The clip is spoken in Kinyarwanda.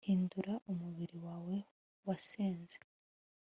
hindura umubiri wawe wasenze